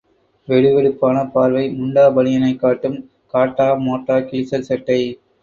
வெடு வெடுப்பான பார்வை... முண்டா பனியனைக்காட்டும் காட்டா மோட்டா கிழிசல் சட்டை.